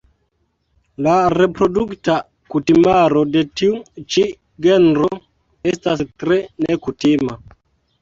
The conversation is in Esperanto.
La reprodukta kutimaro de tiu ĉi genro estas tre nekutima.